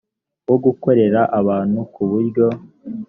wo gukorera abantu ku buryo